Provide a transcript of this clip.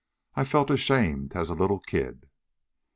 I felt ashamed as a little kid."